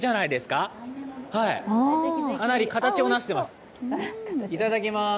かなり形をなしています。